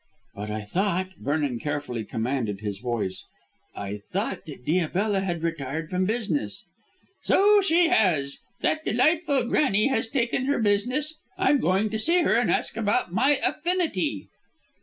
"But I thought," Vernon carefully commanded his voice, "I thought, that Diabella had retired from business?" "So she has. That delightful Granny has taken her business. I'm going to see her and ask about my Affinity."